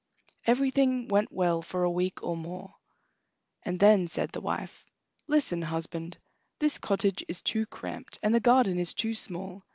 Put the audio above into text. Everything went well for a week or more, and then said the wife: "Listen, husband; this cottage is too cramped, and the garden is too small.